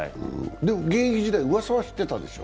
でも現役時代、うわさは知ってたでしょう？